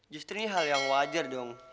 justru ini hal yang wajar dong